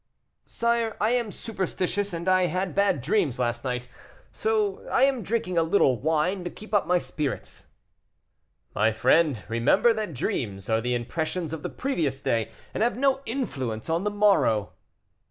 "Sire, I am superstitious, and I had bad dreams last night, so I am drinking a little wine to keep up my spirits." "My friend, remember that dreams are the impressions of the previous day, and have no influence on the morrow."